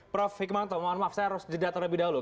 prof hikmanto mohon maaf saya harus jeda terlebih dahulu